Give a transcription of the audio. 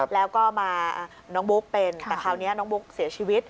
แล้วก็มาน้องบุ๊กเป็นแต่คราวนี้น้องบุ๊กเสียชีวิต